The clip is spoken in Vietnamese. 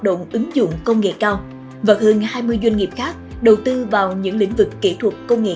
động ứng dụng công nghệ cao và hơn hai mươi doanh nghiệp khác đầu tư vào những lĩnh vực kỹ thuật công nghệ